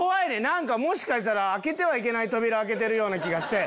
もしかしたら開けてはいけない扉を開けてるような気がして。